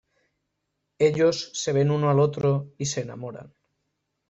Ellos se ven uno al otro y se enamoran.